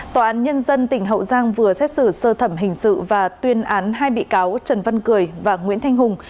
tòa án nhân dân tỉnh hậu giang vừa xét xử sơ thẩm hình sự và tuyên án hai bị cáo trần văn cười và nguyễn thanh hùng